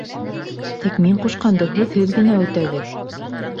Тик мин ҡушҡанды һүҙһеҙ үтәгеҙ!